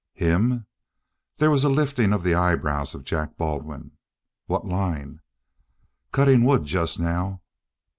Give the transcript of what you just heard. "Him?" There was a lifting of the eyebrows of Jack Baldwin. "What line?" "Cutting wood, just now."